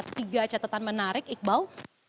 tiga catatan menarik iqbal